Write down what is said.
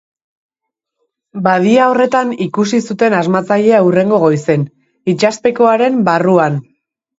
Badia horretan ikusi zuten asmatzailea hurrengo goizen, itsaspekoaren barruan.